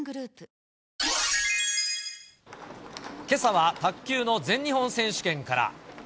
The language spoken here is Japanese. けさは卓球の全日本選手権から。